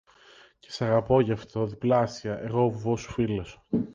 Και σ' αγαπώ, γι' αυτό, διπλάσια, εγώ ο βουβός σου φίλος»